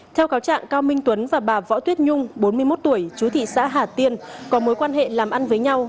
theo cáo trạng cao minh tuấn và bà võ tuyết nhung bốn mươi một tuổi chú thị xã hà tiên có mối quan hệ làm ăn với nhau